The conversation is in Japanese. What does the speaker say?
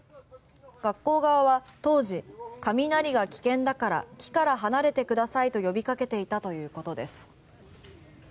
学校側は当時雷が危険だから、木から離れてくださいと呼びかけていたということです。